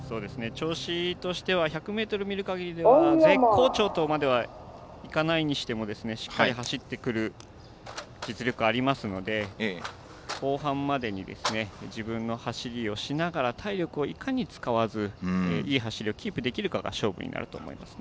調子を１００ｍ見るかぎりでは絶好調とまではいかないにしてもしっかり走ってくる実力がありますので後半までに自分の走りをしながら体力をいかに使わずにいい走りをキープできるかが勝負だと思います。